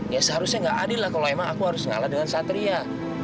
ya seharusnya nggak adil lah kalau emang aku harus ngalah dengan satria